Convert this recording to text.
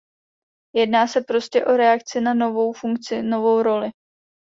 Jedná se prostě o reakci na novou funkci, novou roli.